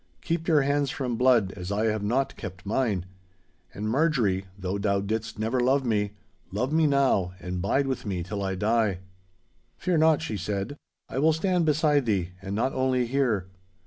Keep your hands from blood, as I have not kept mine. And, Marjorie, though thou didst never love me, love me now, and bide with me till I die.' 'Fear not,' she said; 'I will stand beside thee, and not only here.